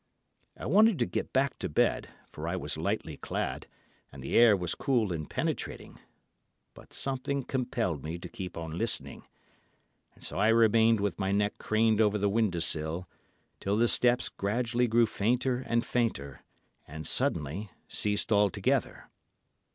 I wanted to get back to bed, for I was lightly clad, and the air was cool and penetrating, but something compelled me to keep on listening, and so I remained with my neck craned over the window sill, till the steps gradually grew fainter and fainter, and suddenly ceased altogether.